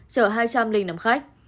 chở hai trăm linh năm khách